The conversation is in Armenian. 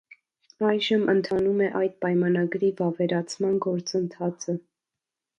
Այժմ ընթանում է այդ պայմանագրի վավերացման գործընթացը։